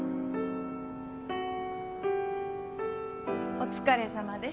お疲れさまです。